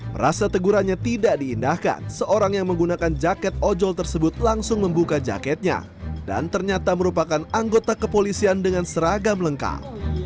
merasa tegurannya tidak diindahkan seorang yang menggunakan jaket ojol tersebut langsung membuka jaketnya dan ternyata merupakan anggota kepolisian dengan seragam lengkap